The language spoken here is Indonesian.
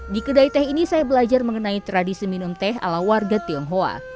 di kedai teh ini saya belajar mengenai tradisi minum teh ala warga tionghoa